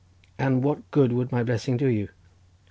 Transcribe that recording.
"And what good would my blessing do you?"